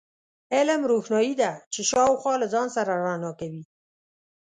علم، روښنایي ده چې شاوخوا له ځان سره رڼا کوي.